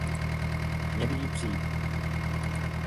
Hnědý příp.